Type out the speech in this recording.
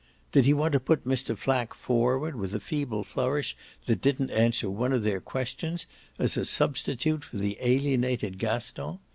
Did he want to put Mr. Flack forward, with a feeble flourish that didn't answer one of their questions, as a substitute for the alienated Gaston?